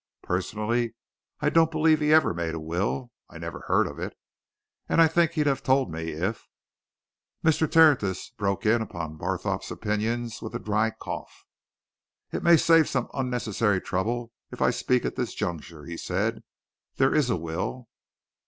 Personally, I don't believe he ever made a will I never heard of it. And I think he'd have told me if " Mr. Tertius broke in upon Barthorpe's opinions with a dry cough. "It may save some unnecessary trouble if I speak at this juncture," he said. "There is a will."